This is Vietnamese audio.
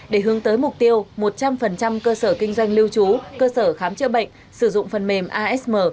để hướng tới mục tiêu một trăm linh cơ sở kinh doanh lưu trú cơ sở khám chữa bệnh sử dụng phần mềm asm